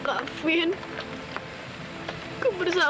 ibu aku mauat